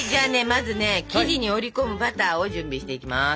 まずね生地に折り込むバターを準備していきます。